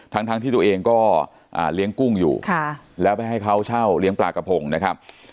ทั้งที่ตัวเองก็เลี้ยงกุ้งอยู่แล้วไปให้เขาเช่าเลี้ยงปลากระพงนะครับ